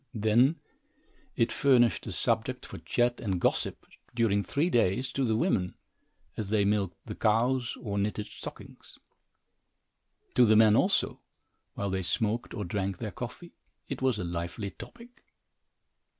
Then, it furnished a subject for chat and gossip, during three days, to the women, as they milked the cows, or knitted stockings. To the men, also, while they smoked, or drank their coffee, it was a lively topic.